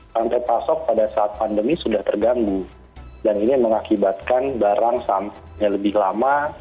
rantai pasok pada saat pandemi sudah terganggu dan ini mengakibatkan barang sampai lebih lama